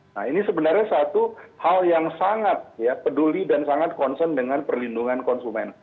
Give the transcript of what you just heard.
nah ini sebenarnya satu hal yang sangat ya peduli dan sangat concern dengan perlindungan konsumen